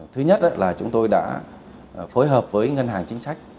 thứ nhất là chúng tôi đã phối hợp với ngân hàng chính sách